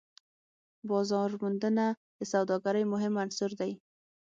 بازارموندنه د سوداګرۍ مهم عنصر دی.